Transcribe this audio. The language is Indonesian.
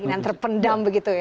keinginan terpendam begitu ya